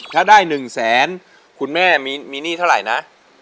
ถ้าได้๑แสนคุณแม่มีหนี้เท่าไหร่นะ